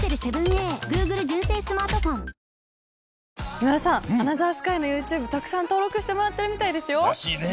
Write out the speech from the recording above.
今田さん『アナザースカイ』のＹｏｕＴｕｂｅたくさん登録してもらってるみたいですよ。らしいね。